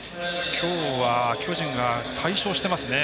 きょうは巨人が大勝していますね。